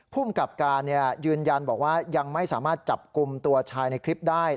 ภูมิกับการยืนยันบอกว่ายังไม่สามารถจับกลุ่มตัวชายในคลิปได้